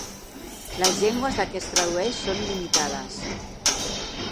Les llengües de què es tradueix són limitades.